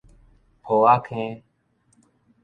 抱仔坑